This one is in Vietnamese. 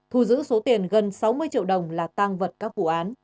thu giữ số tiền gần sáu mươi triệu đồng là tang vật các vụ án